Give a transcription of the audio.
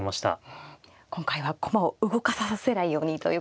うん今回は駒を動かさせないようにということを。